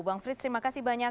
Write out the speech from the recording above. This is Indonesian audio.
bang frits terima kasih banyak